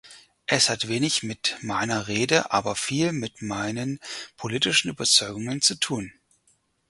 Es hat wenig mit meiner Rede, aber viel mit meinen politischen Überzeugungen zu tun.